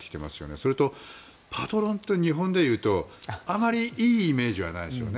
それと、パトロンって日本でいうとあまりいいイメージはないですね。